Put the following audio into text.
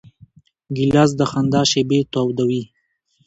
ګیلاس د خندا شېبې تودوي.